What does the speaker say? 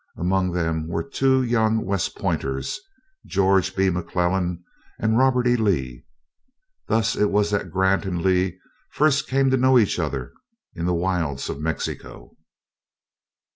Among them were two young West Pointers, George B. McClellan and Robert E. Lee. Thus it was that Grant and Lee first came to know each other, in the wilds of Mexico.